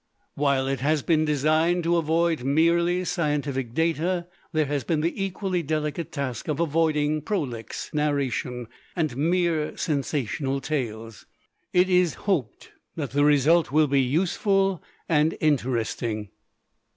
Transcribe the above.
While it has been designed to avoid merely scientific data, there has been the equally delicate task of avoiding prolix narration and mere sensational tales. It is hoped that the result will be useful and interesting.